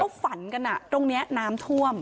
เขาฝันกันตรงนี้น้ำท่วม